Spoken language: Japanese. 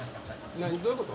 どういうこと？